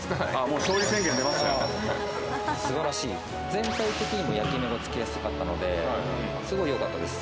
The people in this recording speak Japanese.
全体的にも焼き目がつきやすかったのですごいよかったです